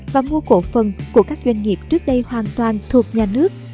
và mua cổ phần của các doanh nghiệp trước đây hoàn toàn thuộc nhà nước